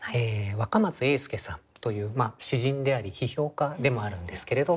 若松英輔さんという詩人であり批評家でもあるんですけれど。